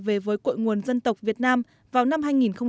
về với cội nguồn dân tộc việt nam vào năm hai nghìn hai mươi